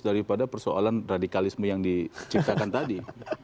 daripada persoalan radikalisme yang diciptakan tadi